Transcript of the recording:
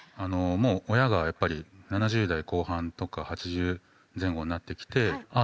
もう親がやっぱり７０代後半とか８０前後になってきてああ